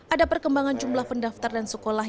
ada perkembangan jumlah pendaftar dan sekolah